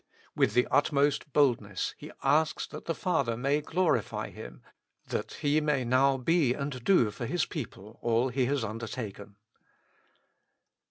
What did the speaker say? With the utmost boldness He asks that the Father may glorify Him, that He may now be and do for His people all He has under taken.